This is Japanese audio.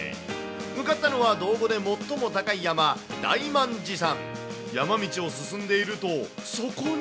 向かったのは島後で最も高い山、大満寺山。